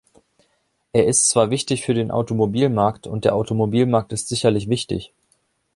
Er ist zwar wichtig für den Automobilmarkt, und der Automobilmarkt ist sicherlich wichtig.